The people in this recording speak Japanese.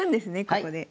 ここで。